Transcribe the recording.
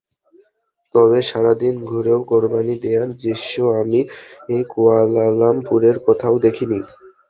তবে সারা দিন ঘুরেও কোরবানি দেওয়ার দৃশ্য আমি কুয়ালালামপুরের কোথাও দেখিনি।